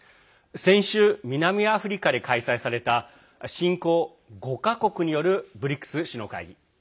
先週、南アフリカで開催された新興５か国によるＢＲＩＣＳ首脳会議。